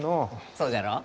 そうじゃろう？